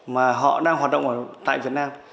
mà họ đang hoạt động tại việt nam